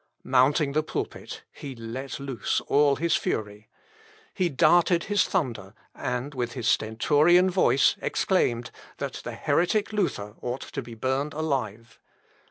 Mounting the pulpit, he let loose all his fury. He darted his thunder, and with his Stentorian voice exclaimed, that the heretic Luther ought to be burned alive.